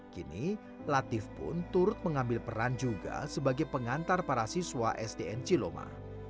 kini latif pun turut mengambil peran juga sebagai pengantar para siswa sdn ciloma